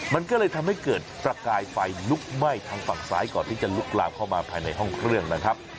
มันก็เลยทำให้เกิดประกายไฟลุกไหม้ทางฝั่งซ้ายก่อนที่จะลุกลามเข้ามาภายในห้องเครื่องนะครับ